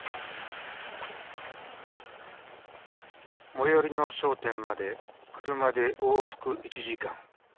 最寄りの商店まで車で往復１時間。